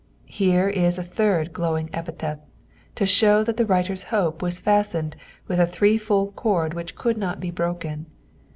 ''' Here is a third glowing epithet, to show that the writer's hope was fastened with a threefold cord i^ch could not be broken.